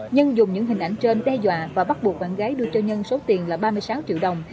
nhân dùng những hình ảnh trên đe dọa và bắt buộc bạn gái đưa cho nhân số tiền là ba mươi sáu triệu đồng